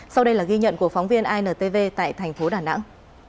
sau đây là ghi nhận của phóng viên intv tại thành phố đà nẵng